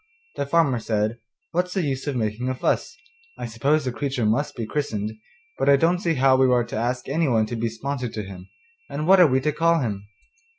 The farmer said, 'What's the use of making a fuss? I suppose the creature must be christened, but I don't see how we are to ask anyone to be sponsor to him, and what are we to call him?